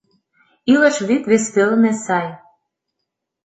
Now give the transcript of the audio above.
Илыш вӱд вес велне сай